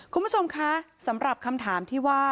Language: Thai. คุณผู้ชมคะสำหรับคำถามที่ว่า